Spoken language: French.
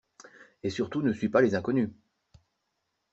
Et surtout ne suis pas les inconnus!